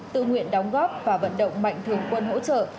tự nguyện đóng góp và vận động mạnh thường quân hỗ trợ